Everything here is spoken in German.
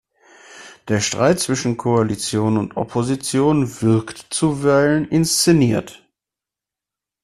Der Streit zwischen Koalition und Opposition wirkt zuweilen inszeniert.